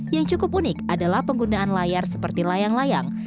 yang cukup unik adalah penggunaan layar seperti layang layang